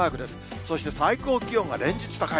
そして最高気温が連日高い。